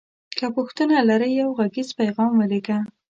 که پوښتنه لری یو غږیز پیغام ولیږه